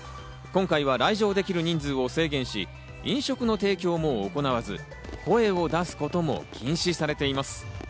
今回は来場できる人数を制限し、飲食の提供も行わず、声を出すことも禁止されています。